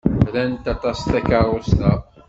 Rant aṭas takeṛṛust-a.